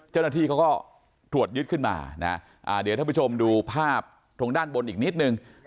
เจ้าหน้าที่เขาก็ตรวจยึดขึ้นมานะเดี๋ยวท่านผู้ชมดูภาพตรงด้านบนอีกนิดนึง